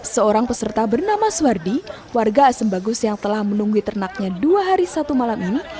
seorang peserta bernama suwardi warga asem bagus yang telah menunggu ternaknya dua hari satu malam ini